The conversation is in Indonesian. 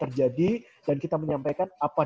terjadi dan kita menyampaikan apa